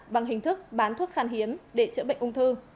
bằng hình thức bán thuốc khan hiếm để chữa bệnh ung thư